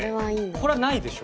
これはないでしょ？